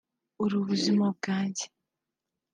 uri ubuzima bwanjye